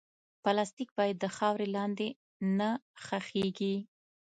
پلاستيک باید د خاورې لاندې نه ښخېږي.